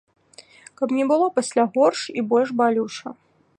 Каб не было пасля горш і больш балюча.